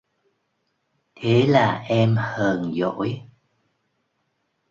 Thế là em hờn dỗi